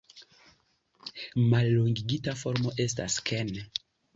Mallongigita formo estas Ken.